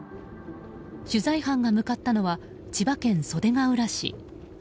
取材班が向かったのは千葉県袖ケ浦市。